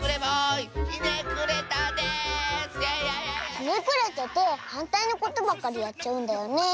ひねくれててはんたいのことばっかりやっちゃうんだよねえ。